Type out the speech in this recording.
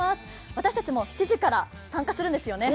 私たちも７時から参加するんですよね。